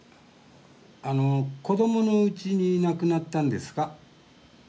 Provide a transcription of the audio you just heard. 子どものうちに亡くなったんですか？